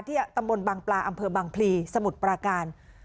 ตำบลบางปลาอำเภอบางพลีสมุทรปราการ